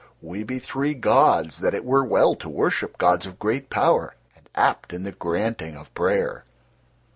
We be three gods that it were well to worship, gods of great power and apt in the granting of prayer."